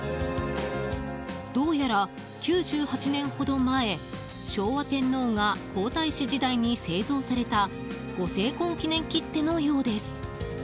どうやら、９８年ほど前昭和天皇が皇太子時代に製造されたご成婚記念切手のようです。